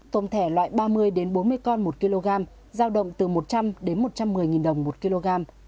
tôm thẻ loại ba mươi bốn mươi con một kg giao động từ một trăm linh một trăm một mươi đồng một kg